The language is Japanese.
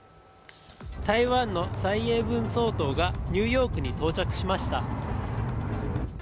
台湾の蔡英文総統がニューヨークに到着しました。